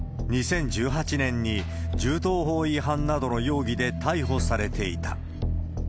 ２０１８年に銃刀法違反などの容疑で逮捕されていた。